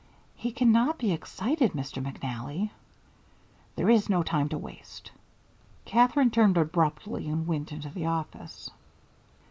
"He cannot be excited, Mr. McNally." "There is no time to waste " Katherine turned abruptly and went into the office.